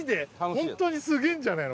ホントにすげえんじゃねえの？